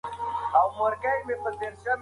خړو مرغیو په سړه هوا کې خپل وزرونه رپول.